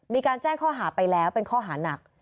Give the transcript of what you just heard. มีการแจ้งข้อหาไปแล้วเป็นข้อหานัก